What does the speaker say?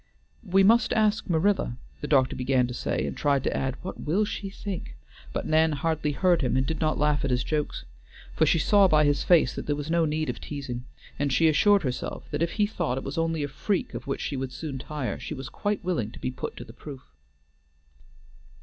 "We must ask Marilla," the doctor began to say, and tried to add, "What will she think?" but Nan hardly heard him, and did not laugh at his jokes. For she saw by his face that there was no need of teasing. And she assured herself that if he thought it was only a freak of which she would soon tire, she was quite willing to be put to the proof.